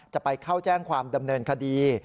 จะไปเข้าแจ้งความดำเนินคดี